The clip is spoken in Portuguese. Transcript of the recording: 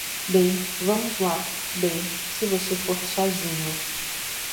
Bem, vamos lá, bem, se você for sozinho.